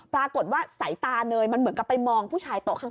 ปรากฏว่าสายตาเนยมันเหมือนกับไปมองผู้ชายโต๊ะข้าง